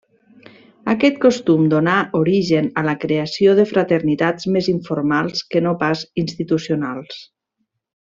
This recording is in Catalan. Aquest costum donà origen a la creació de fraternitats més informals que no pas institucionals.